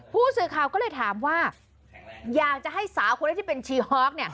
ผู้สื่อข่าวก็เลยถามว่าอยากจะให้สาวคนนั้นที่เป็นชีฮอกเนี่ย